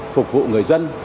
phục vụ người dân